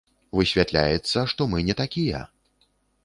Высвятляецца, што мы не такія.